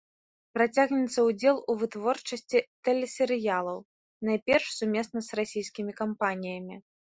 Працягнецца ўдзел у вытворчасці тэлесерыялаў, найперш сумесна з расійскімі кампаніямі.